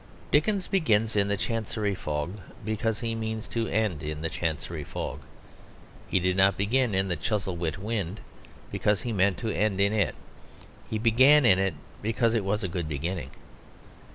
Dickens begins in the Chancery fog because he means to end in the Chancery fog. He did not begin in the Chuzzlewit wind because he meant to end in it; he began in it because it was a good beginning.